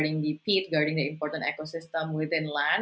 mengelola tanah mengelola ekosistem yang penting